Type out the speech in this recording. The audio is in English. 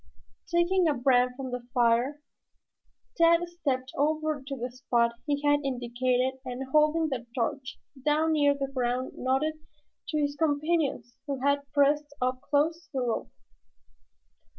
Taking a brand from the fire, Tad stepped over to the spot he had indicated and holding the torch down near the ground nodded to his companions who had pressed up close to the rope.